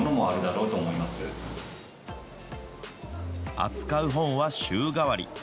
扱う本は週替わり。